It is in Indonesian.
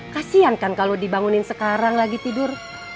kasian kan kalau dibangunin sekarang lagi tidur